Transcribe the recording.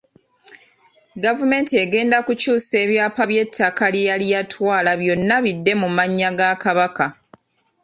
Gavumenti egenda kukyusa ebyapa by'ettaka lye yali yatwala byonna bidde mu mannya ga Kabaka.